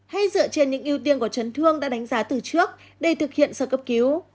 hay dựa trên những ưu tiên của chấn thương đã đánh giá từ trước để thực hiện sơ cấp cứu